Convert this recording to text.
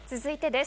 続いてです。